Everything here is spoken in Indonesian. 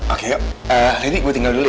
oke yuk ini gue tinggal dulu ya